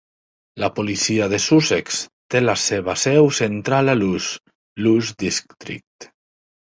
La policia de Sussex té la seva seu central a Lewes, Lewes District.